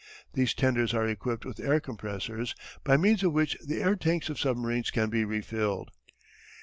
These tenders are equipped with air compressors by means of which the air tanks of submarines can be refilled.